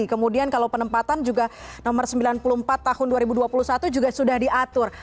kemudian kalau penempatan juga nomor sembilan puluh empat tahun dua ribu dua puluh satu juga sudah diatur